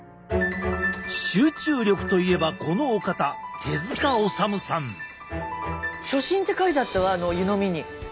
集中力といえばこのお方初心って書いてあったわあの湯飲みに。